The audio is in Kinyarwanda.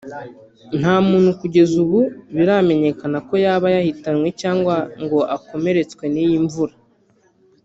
nta muntu kugeza ubu biramenyekana ko yaba yahitanywe cyangwa ngo akomeretswe n’iyi mvura